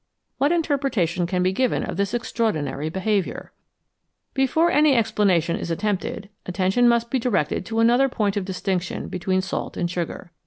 What interpretation can be given of this extraordinary behaviour ? Before any explanation is attempted, attention must be directed to another point of distinction between salt and sugar.